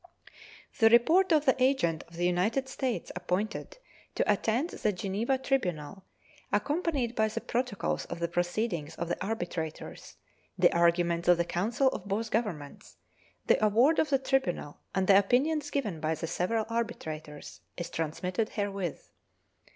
The report of the agent of the United States appointed to attend the Geneva tribunal, accompanied by the protocols of the proceedings of the arbitrators, the arguments of the counsel of both Governments, the award of the tribunal, and the opinions given by the several arbitrators, is transmitted herewith.